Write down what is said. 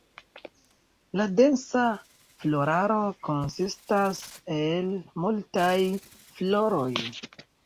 La densa floraro konsistas el multaj floroj.